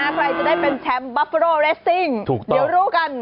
ใครจะได้เป็นแชมป์บัฟเฟอโรเรสซิ่งเดี๋ยวรู้กัน